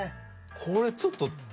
これちょっと。